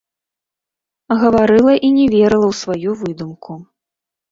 Гаварыла і не верыла ў сваю выдумку.